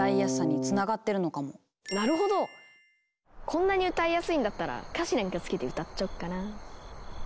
こんなに歌いやすいんだったら歌詞なんかつけて歌っちゃおうかな。